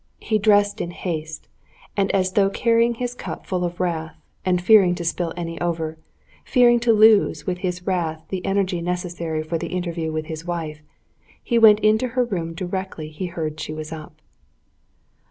He dressed in haste, and as though carrying his cup full of wrath, and fearing to spill any over, fearing to lose with his wrath the energy necessary for the interview with his wife, he went into her room directly he heard she was up.